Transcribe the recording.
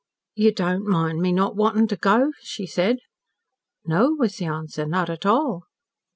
"You don't mind me not wantin' to go?" she said. "No," was the answer, "not at all."